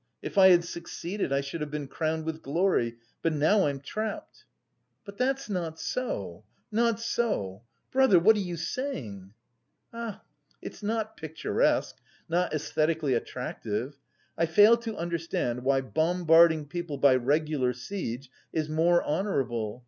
If I had succeeded I should have been crowned with glory, but now I'm trapped." "But that's not so, not so! Brother, what are you saying?" "Ah, it's not picturesque, not æsthetically attractive! I fail to understand why bombarding people by regular siege is more honourable.